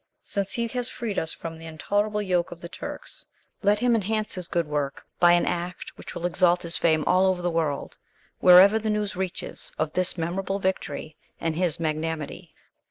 Since he has freed us from the intolerable yoke of the Turks, let him enhance his good work by an act which will exalt his fame all over the world wherever the news reaches of this memorable victory and his magnanimity."